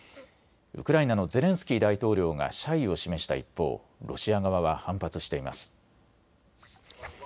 ウクライナのゼレンスキー大統領が謝意を示した一方、ロシア側は反発しています。